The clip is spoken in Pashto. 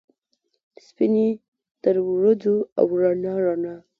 سپینې ترورځو ، او رڼا ، رڼا